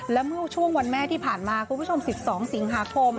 และเมื่อช่วงวันแม่ที่ผ่านมาคุณผู้ชม๑๒สิงหาคม